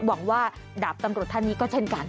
หวังว่าดาบตำรวจท่านนี้ก็เช่นกัน